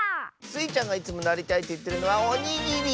スイちゃんがいつもなりたいといってるのはおにぎり！